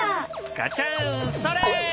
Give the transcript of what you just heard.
ガチャンそれ！